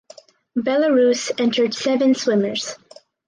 Belarus entered seven swimmers.